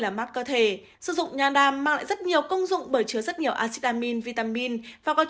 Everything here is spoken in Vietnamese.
làm mát cơ thể sử dụng nha đam mang lại rất nhiều công dụng bởi chứa rất nhiều acetamin vitamin và